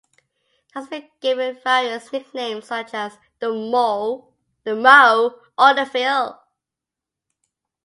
It has been given various nicknames such as "the Moe" or "the Fill".